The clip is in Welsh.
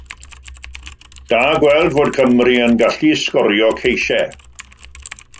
Da gweld fod Cymru yn gallu sgorio ceisiau.